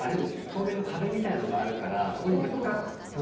透明の壁みたいのがあるからそこにぶつかって。